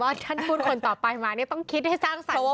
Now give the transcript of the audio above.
ท่านพูดคนต่อไปมาต้องคิดให้สร้างสรรค์